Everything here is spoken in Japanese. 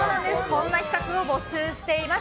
こんな企画を募集しています。